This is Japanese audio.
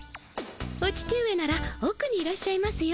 お父上ならおくにいらっしゃいますよ。